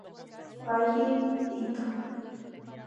Ryuji Ito